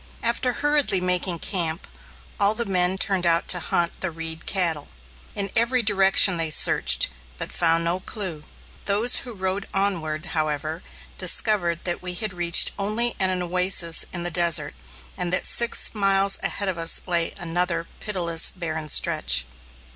After hurriedly making camp, all the men turned out to hunt the Reed cattle. In every direction they searched, but found no clue. Those who rode onward, however, discovered that we had reached only an oasis in the desert, and that six miles ahead of us lay another pitiless barren stretch.